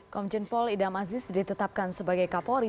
komjen paul idam aziz ditetapkan sebagai kapolri